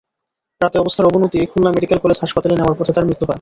রাতে অবস্থার অবনতি খুলনা মেডিকেল কলেজ হাসপাতালে নেওয়ার পথে তাঁর মৃত্যু হয়।